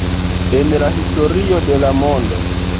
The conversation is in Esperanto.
En la historio de la mondo